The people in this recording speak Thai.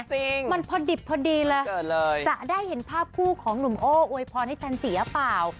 จริงมันพอดิบพอดีเลยจะได้เห็นภาพคู่ของหนุ่มโอ้อวยพรให้ฉันเสียเปล่า